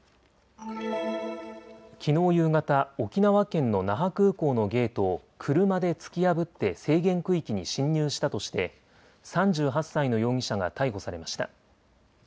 きのう夕方、沖縄県の那覇空港のゲートを車で突き破って制限区域に侵入したとして３８歳の容疑者が逮捕されました。